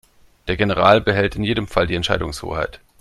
Der General behält in jedem Fall die Entscheidungshoheit.